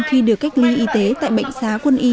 khi được cách ly y tế tại bệnh xá quân y